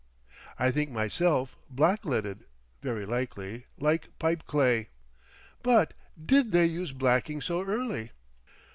I think myself, black leaded—very likely—like pipe clay—but did they use blacking so early?"